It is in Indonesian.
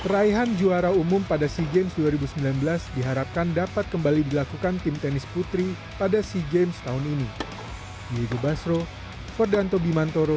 raihan juara umum pada sea games dua ribu sembilan belas diharapkan dapat kembali dilakukan tim tenis putri pada sea games tahun ini